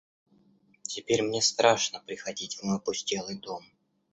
Теперь мне страшно приходить в мой опустелый дом.